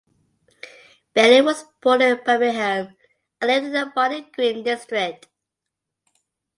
Bailey was born in Birmingham and lived in the Bartley Green district.